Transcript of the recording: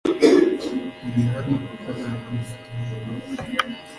Uri hano kuko ntahandi ufite hokuba